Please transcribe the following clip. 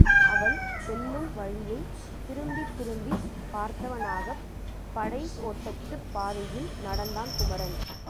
அவள் செல்லும் வழியைத் திரும்பித் திரும்பிப் பார்த்தவனாகப் படைக் கோட்டத்துப் பாதையில் நடந்தான் குமரன்.